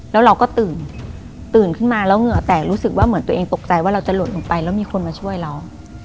แล้วเราก็ตื่นตื่นขึ้นมาแล้วเหงื่อแตกรู้สึกว่าเหมือนตัวเองตกใจว่าเราจะหล่นลงไปแล้วมีคนมาช่วยเรา